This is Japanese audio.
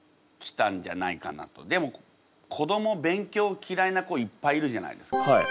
でも子ども勉強嫌いな子いっぱいいるじゃないですか。